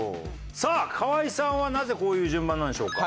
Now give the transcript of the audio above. さあ河合さんはなぜこういう順番なんでしょうか？